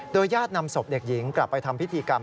ญาตินำศพเด็กหญิงกลับไปทำพิธีกรรม